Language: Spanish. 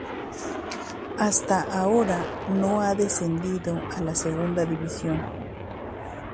Hasta ahora no ha descendido a la segunda división.